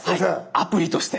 アプリとして。